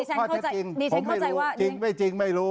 เดี๋ยวดิฉันเข้าใจว่าจริงไม่รู้